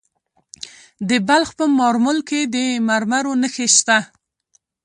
د بلخ په مارمل کې د مرمرو نښې شته.